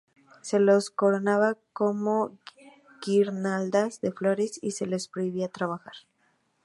Se los coronaba con guirnaldas de flores y se les prohibía trabajar.